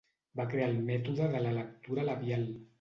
Va crear el mètode de la lectura labial.